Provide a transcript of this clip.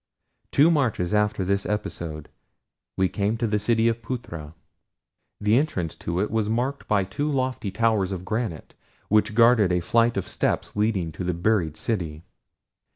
Two marches after this episode we came to the city of Phutra. The entrance to it was marked by two lofty towers of granite, which guarded a flight of steps leading to the buried city.